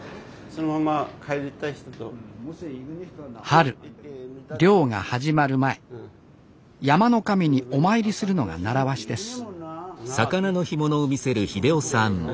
春猟が始まる前山の神にお参りするのが習わしです